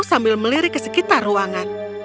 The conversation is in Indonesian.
sambil melirik ke sekitar ruangan